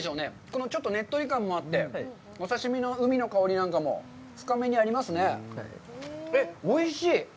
このちょっと、ねっとり感もあって、お刺身の海の香りなんかも、深めにありますね。